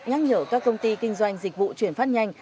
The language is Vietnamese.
nhắc nhở các công ty kinh doanh dịch vụ chuyển phát nhanh